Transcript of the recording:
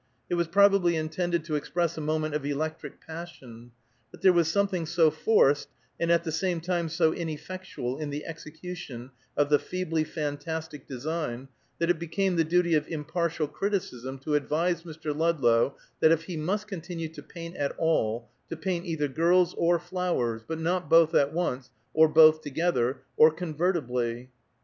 It was probably intended to express a moment of electric passion; but there was something so forced, and at the same time so ineffectual in the execution of the feebly fantastic design, that it became the duty of impartial criticism, to advise Mr. Ludlow, if he must continue to paint at all, to paint either girls or flowers, but not both at once, or both together, or convertibly.